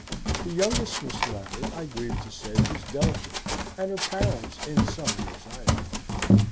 The youngest Miss Lambert, I grieve to say, was dellicate; and her parents in some anxiety.